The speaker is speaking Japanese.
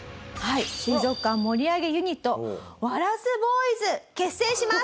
水族館盛り上げユニットワラスボーイズ結成します。